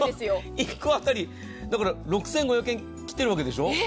１個当たり６５００円切ってるわけでしょ？